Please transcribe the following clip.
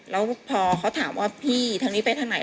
แล้วพอเขาถามว่าพี่ทางนี้ไปทางไหน